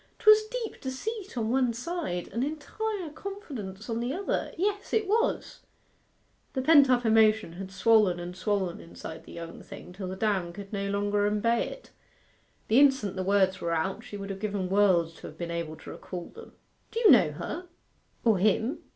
''Twas deep deceit on one side, and entire confidence on the other yes, it was!' The pent up emotion had swollen and swollen inside the young thing till the dam could no longer embay it. The instant the words were out she would have given worlds to have been able to recall them. 'Do you know her or him?